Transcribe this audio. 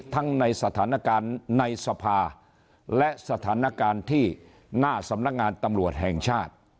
ในสถานการณ์ในสภาและสถานการณ์ที่หน้าสำนักงานตำรวจแห่งชาติ